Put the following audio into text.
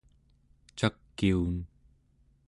cakiun